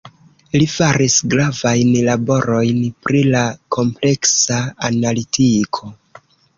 Li faris gravajn laborojn pri la kompleksa analitiko.